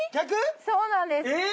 そうなんです